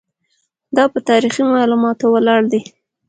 دا په تاریخي معلوماتو ولاړ دی.